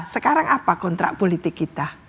sekarang apa kontrak politik kita